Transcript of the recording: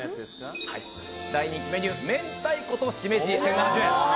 大人気メニュー明太子としめじ、１０７０円。